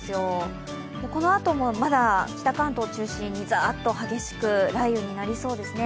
このあともまだ北関東を中心にザーッと激しく雷雨になりそうですね。